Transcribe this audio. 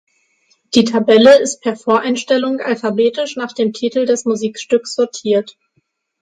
Die Tabelle ist per Voreinstellung alphabetisch nach dem Titel des Musikstücks sortiert.